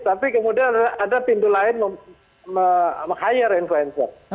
tapi kemudian ada pintu lain meng hire influencer